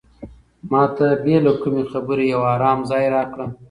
ما ته بې له کومې خبرې یو ارام ځای راکړه.